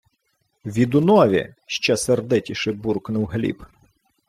— Відунові, — ще сердитіше буркнув Гліб.